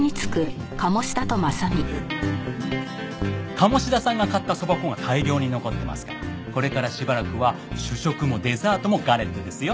鴨志田さんが買ったそば粉が大量に残ってますからこれからしばらくは主食もデザートもガレットですよ。